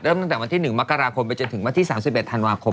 ตั้งแต่วันที่๑มกราคมไปจนถึงวันที่๓๑ธันวาคม